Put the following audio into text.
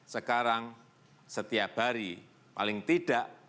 sekarang setiap hari paling tidak